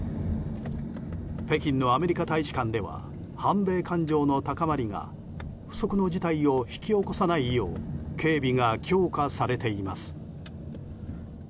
北京のアメリカ大使館では反米感情の高まりが不測の事態を引き起こさないよう警備が強化されています。